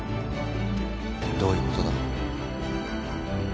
どういうことだ？